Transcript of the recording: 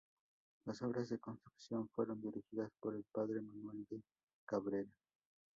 Las obras de construcción fueron dirigidas por el padre Manuel de Cabrera.